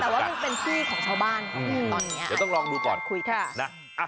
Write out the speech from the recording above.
แต่ว่าต้องเป็นที่ของชาวบ้านตอนนี้อาจจะต้องการคุยกัน